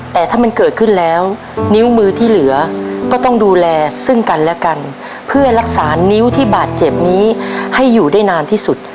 แต่ถ้ามันเกิดขึ้นแล้วนิ้วมือที่เหลือก็ต้องดูแลซึ่งกันและกันเพื่อรักษานิ้วที่บาดเจ็บนี้ให้อยู่ได้นานที่สุด